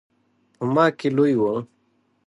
په ما کې لوی و.